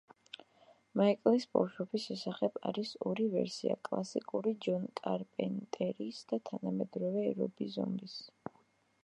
მაიკლის ბავშვობის შესახებ არის ორი ვერსია: კლასიკური ჯონ კარპენტერის და თანამედროვე რობი ზომბის.